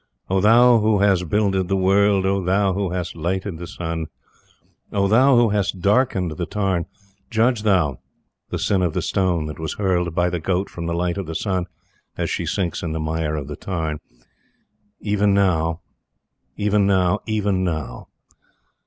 Oh, Thou who has builded the world Oh, Thou who hast lighted the Sun! Oh, Thou who hast darkened the Tarn! Judge Thou The Sin of the Stone that was hurled By the Goat from the light of the Sun, As She sinks in the mire of the Tarn, Even now even now even now!